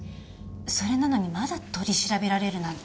それなのにまだ取り調べられるなんて。